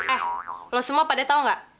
eh lo semua pada tau gak